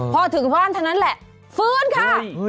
พอถึงบ้านเท่านั้นแหละฟื้นค่ะ